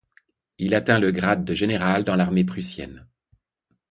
Il atteint le grade de général dans l'Armée prussienne.